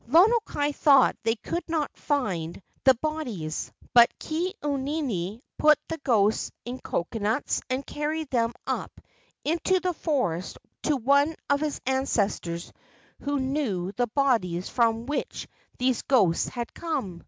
Lono kai thought they could not find the bodies, but Ke au nini put the ghosts in coconuts and carried them up into the forest to one of his ancestors who knew KE AU NINI 219 the bodies from which these ghosts had come.